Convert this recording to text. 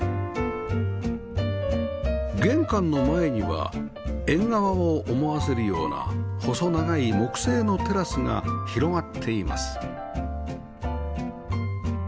玄関の前には縁側を思わせるような細長い木製のテラスが広がっています